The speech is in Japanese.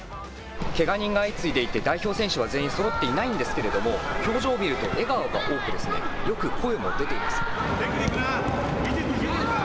けが人が相次いでいて代表選手は全員そろっていないんですけれども、表情を見ると、笑顔が多くて、よく声も出ています。